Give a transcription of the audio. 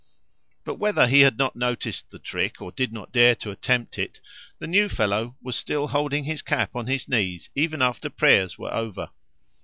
But, whether he had not noticed the trick, or did not dare to attempt it, the "new fellow," was still holding his cap on his knees even after prayers were over.